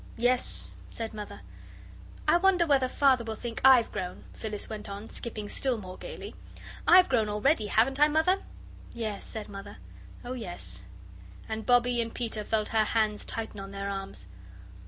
"Yes," said Mother. "I wonder whether Father will think I'VE grown," Phyllis went on, skipping still more gaily. "I have grown already, haven't I, Mother?" "Yes," said Mother, "oh, yes," and Bobbie and Peter felt her hands tighten on their arms.